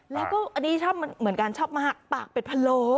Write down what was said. แล้วก็อันนี้ชอบเหมือนกันชอบมากปากเป็ดพะโล